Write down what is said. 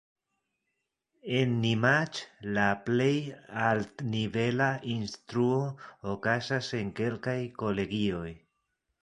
En Nimaĉ la plej altnivela instruo okazas en kelkaj kolegioj.